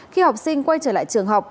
khi học sinh quay trở lại trường học